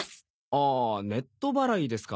ああネット払いですか。